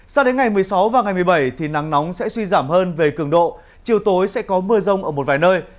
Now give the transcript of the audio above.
sao đến ngày một mươi sáu và ngày một mươi bảy thì nắng nóng sẽ suy giảm hơn về cường độ chiều tối sẽ có mưa rông ở một vài nơi